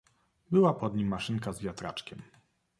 "Była pod nim maszynka z wiatraczkiem..."